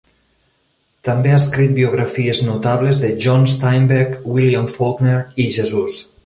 També ha escrit biografies notables de John Steinbeck, William Faulkner i Jesús.